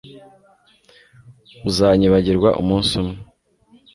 Uzanyibagirwa umunsi umwe